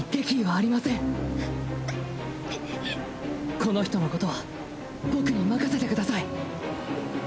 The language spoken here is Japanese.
この人のことは僕に任せてください。